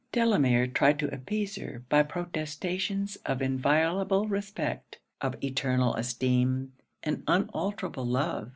Delamere tried to appease her by protestations of inviolable respect, of eternal esteem, and unalterable love.